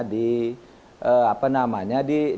di apa namanya